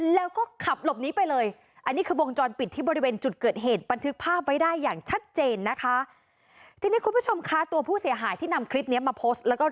แล้วก็ขับลบนี้ไปเลยอันนี้คือวงจรปิดที่บริเวณจุดเกิดเหตุปันทึกภาพไว้ได้อย่างชัดเจนนะคะที่รู้ชมคลามตัวผู้เสียหายที่นำคลิปเนี้ยมาโพสต์แล้ว